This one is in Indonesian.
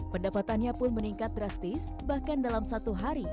pendapatannya pun meningkat drastis bahkan dalam satu hari